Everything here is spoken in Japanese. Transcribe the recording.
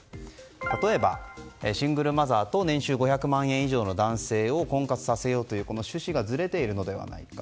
例えば、シングルマザーと年収５００万円以上の男性を婚活させようという趣旨がずれているのではないか。